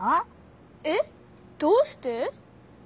えっどうして？